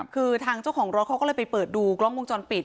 คือทางเจ้าของรถเขาก็เลยไปเปิดดูกล้องวงจรปิด